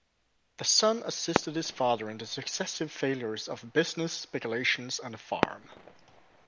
The son assisted his father in the successive failures of business, speculations and farm.